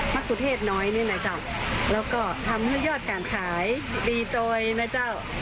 คุเทศน้อยนี่นะคะแล้วก็ทำให้ยอดการขายดีโดยนะเจ้า